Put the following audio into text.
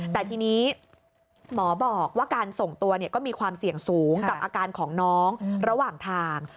แต่ทีนี้หมอบอกว่าการส่งตัวก็มีความเสี่ยงสูงกับอาการของน้องระหว่างทาง